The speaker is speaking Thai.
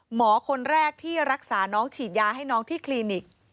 หมอคนแรกที่รักษาน้องฉีดยาให้น้องที่คลินิก